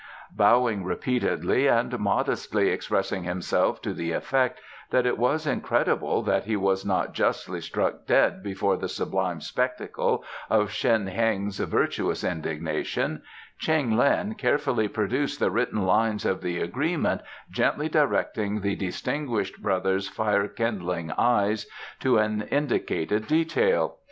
Bowing repeatedly and modestly expressing himself to the effect that it was incredible that he was not justly struck dead before the sublime spectacle of Shen Heng's virtuous indignation, Cheng Lin carefully produced the written lines of the agreement, gently directing the Distinguished Brother's fire kindling eyes to an indicated detail.